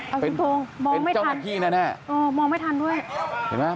อ้าวผมตรงมองไม่ทันมองไม่ทันด้วย